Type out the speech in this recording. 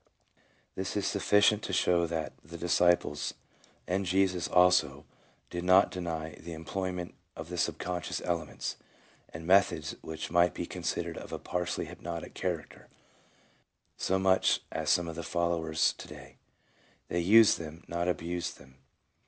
1 This is sufficient to show that the disciples, and Jesus also, did not deny the employment of the subconscious elements, and methods which might be considered of a partially hypnotic character, so much as some of his followers to day. They used them, not abused them.